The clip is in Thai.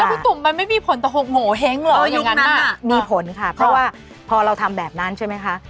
แล้วคุณตุ๋มมันไม่มีผลตะหกโหมเห้งหรอยุคนั้นอ่ะมีผลค่ะเพราะว่าพอเราทำแบบนั้นใช่ไหมคะ